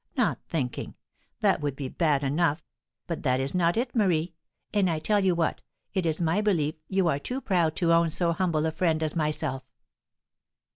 Not thinking! That would be bad enough; but that is not it, Marie. And I tell you what, it is my belief you are too proud to own so humble a friend as myself."